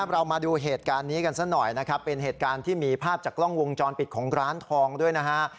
เรามาดูเหตุการณ์นี้กันซะหน่อยนะครับเป็นเหตุการณ์ที่มีภาพจากกล้องวงจรปิดของร้านทองด้วยนะฮะ